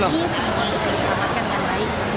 sampai bisa diselamatkan yang baik